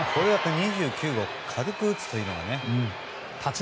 ２９号を軽く打つというのが。